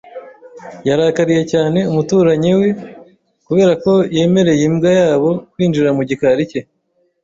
Yarakariye cyane umuturanyi we kubera ko yemereye imbwa yabo kwinjira mu gikari cye.